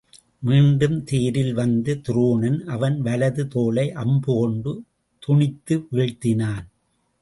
மீண்டும் தேரில் வந்து துரோணன் அவன் வலது தோளை அம்பு கொண்டு துணித்து வீழ்த்தினான்.